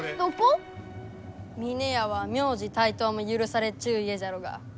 峰屋は名字帯刀も許されちゅう家じゃろうが。